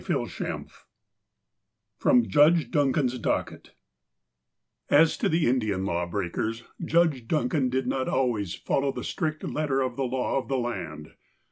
XXVI FROM JUDGE DUNCAN'S DOCKET AS to the Indian lawbreakers, Judge Duncan did not always follow the strict letter of the law of the land.